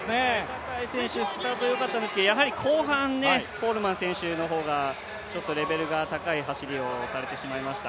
坂井選手、スタートよかったんですけれども、後半、コールマン選手の方がちょっとレベルの高い走りをされてしまいました。